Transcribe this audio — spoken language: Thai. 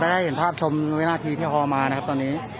ได้เห็นภาพชมวินาทีที่ฮอลมานะครับตอนนี้